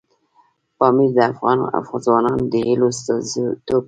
پامیر د افغان ځوانانو د هیلو استازیتوب کوي.